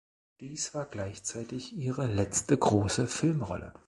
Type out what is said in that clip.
Dies war gleichzeitig ihre letzte große Filmrolle.